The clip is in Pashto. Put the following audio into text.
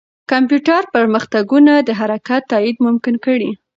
کمپیوټر پرمختګونه د حرکت تایید ممکن کړي.